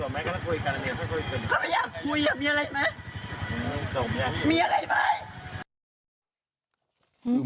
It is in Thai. มันคงอัดอันมาหลายเรื่องนะมันเลยระเบิดออกมามีทั้งคำสลัดอะไรทั้งเต็มไปหมดเลยฮะ